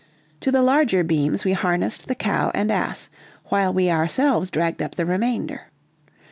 To the larger beams we harnessed the cow and ass, while we ourselves dragged up the remainder.